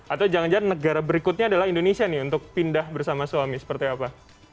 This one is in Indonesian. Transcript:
atau jangan jangan negara berikutnya adalah indonesia nih untuk pindah bersama suami seperti apa